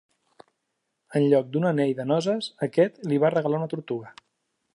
En lloc d'un anell de noces, aquest li va regalar una tortuga.